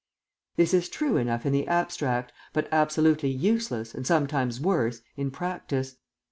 This is true enough in the abstract, but absolutely useless, and sometimes worse, in practice.